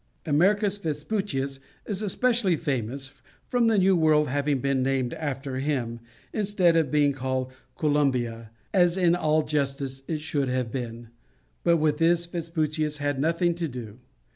Americus Vespucius is especially famous from the New World having been named after him, instead of being called Columbia, as in all justice it should have been, but with this Vespucius had nothing to do.